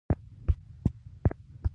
که د توماس ايډېسن ژوند دقيق وڅېړل شي.